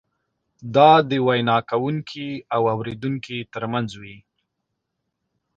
دا د وینا کوونکي او اورېدونکي ترمنځ وي.